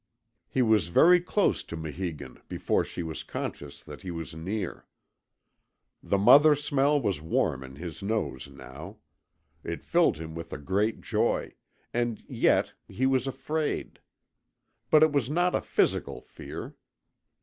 He was very close to Maheegun before she was conscious that he was near. The Mother smell was warm in his nose now; it filled him with a great joy; and yet he was afraid. But it was not a physical fear.